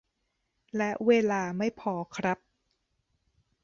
และเวลาไม่พอครับ